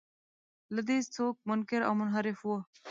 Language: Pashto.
له دې څوک منکر او منحرف و.